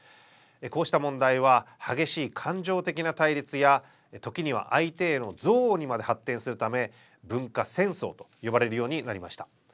こうした問題は激しい感情的な対立や時には相手への憎悪にまで発展するため文化戦争と呼ばれるようになりました。